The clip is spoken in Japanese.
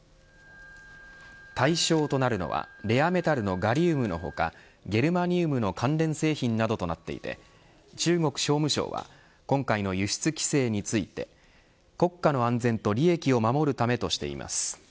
対象となるのはレアメタルのガリウムの他ゲルマニウムの関連製品などとなっていて中国商務省は今回の輸出規制について国家の安全と利益を守るためとしています。